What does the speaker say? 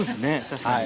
確かに。